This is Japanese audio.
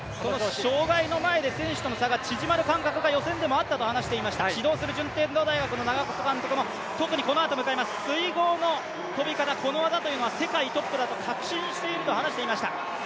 障害の前で選手との差が縮まる感覚が、予選でもあったと話していました、指導をする順天堂大学の監督も水濠の跳び方、この技というのは、世界トップだと確信していると話しました。